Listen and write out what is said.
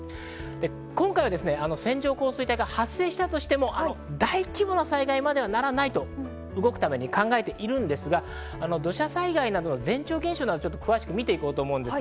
今回は線状降水帯が発生したとしても、大規模な災害まではならないと考えているんですが、土砂災害などの前兆現象を見て行こうと思います。